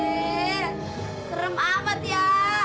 eh serem amat ya